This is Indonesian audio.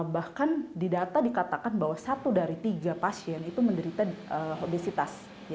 bahkan di data dikatakan bahwa satu dari tiga pasien itu menderita obesitas